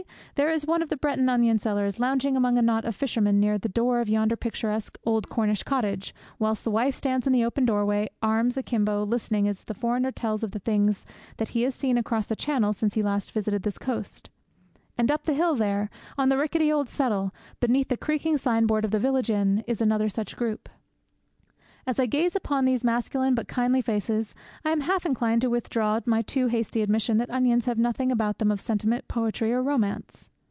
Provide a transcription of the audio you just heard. there is one of the Breton onion sellers lounging among a knot of fishermen near the door of yonder picturesque old Cornish cottage, whilst the wife stands in the open doorway, arms a kimbo, listening as the foreigner tells of the things that he has seen across the Channel since last he visited this coast. And up the hill there, on the rickety old settle, beneath the creaking signboard of the village inn, is another such group. As I gaze upon these masculine but kindly faces I am half inclined to withdraw my too hasty admission that onions have nothing about them of sentiment, poetry, or romance.